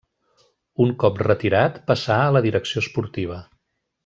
Un cop retirat passà a la direcció esportiva.